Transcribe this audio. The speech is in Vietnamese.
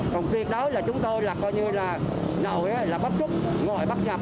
còn tuyệt đối là chúng tôi là coi như là nội là bắt xúc ngồi bắt nhập